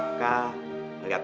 nggak ada apa apa